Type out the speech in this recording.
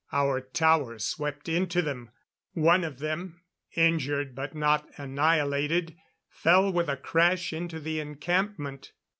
Our tower swept into them; one of them, injured but not annihilated, fell with a crash into the encampment.